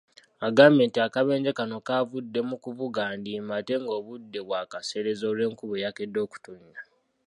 Agambye nti akabenje kano kavudde ku kuvuga ndiima ate ng'obudde bwakaseerezi olw'enkuba eyakedde okutonnya.